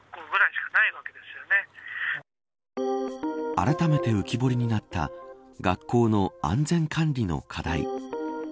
あらためて浮き彫りになった学校の安全管理の課題。